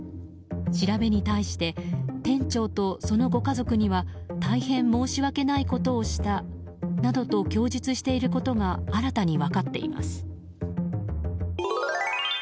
調べに対して店長と、そのご家族には大変申し訳ないことをしたなどと供述していることが新たに分かっています。